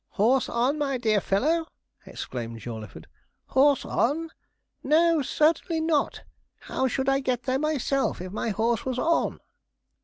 'Horse on, my dear fellow!' exclaimed Jawleyford, 'horse on? No, certainly not. How should I get there myself, if my horse was on?'